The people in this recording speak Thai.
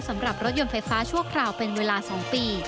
สำหรับรถยนต์ไฟฟ้าชั่วคราวเป็นเวลา๒ปี